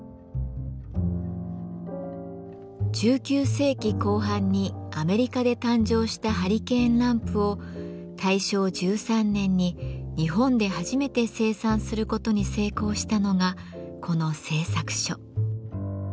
１９世紀後半にアメリカで誕生したハリケーンランプを大正１３年に日本で初めて生産することに成功したのがこの製作所。